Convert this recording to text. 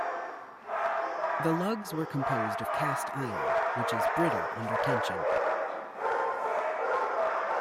The lugs were composed of cast iron, which is brittle under tension.